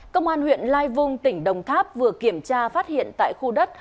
công an huyện lai vung tỉnh đồng tháp vừa kiểm tra phát hiện tại khu đất